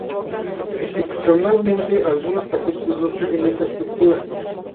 Excepcionalmente algunos capítulos no siguen esta estructura.